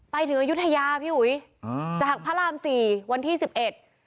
อายุทยาพี่อุ๋ยอ่าจากพระรามสี่วันที่สิบเอ็ด